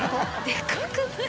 でかくない？